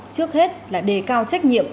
trước hết là đề cao trách nhiệm